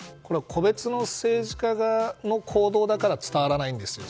個別の政治家の行動だから伝わらないんですよ。